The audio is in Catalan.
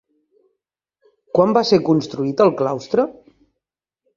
Quan va ser construït el claustre?